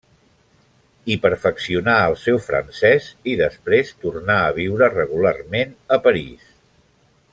Hi perfeccionà el seu francès i després tornà a viure regularment a París.